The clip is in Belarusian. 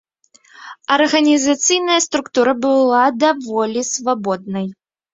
Арганізацыйная структура была даволі свабоднай.